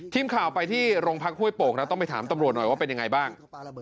ทีมข่าวไปที่โรงพักห้วยโป่งนะต้องไปถามตำรวจหน่อยว่าเป็นยังไงบ้าง